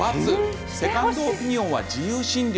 セカンドオピニオンは自由診療。